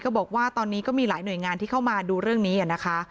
บอกว่าตอนนี้ก็มีหลายหน่วยงานที่เข้ามาดูเรื่องนี้นะคะ